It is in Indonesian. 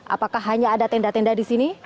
apakah hanya ada tenda tenda di sini